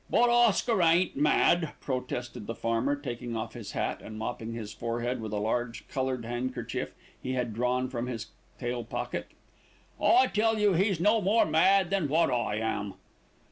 "But Oscar ain't mad," protested the farmer, taking off his hat and mopping his forehead with a large coloured handkerchief he had drawn from his tail pocket. "I tell you he's no more mad than what I am."